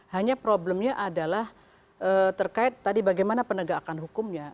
hanya problemnya adalah terkait tadi bagaimana penegakan hukumnya